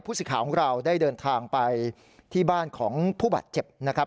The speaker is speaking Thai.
สิทธิ์ของเราได้เดินทางไปที่บ้านของผู้บาดเจ็บนะครับ